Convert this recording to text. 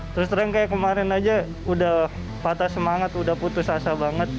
terus terang kayak kemarin aja udah patah semangat udah putus asa banget